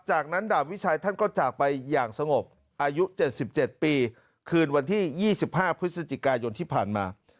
จากนั้นดาบวิชัยท่านก็จากไปอย่างสงบอายุ๗๗ปีคืนวันที่๒๕พฤศจิกายนที่ผ่านมา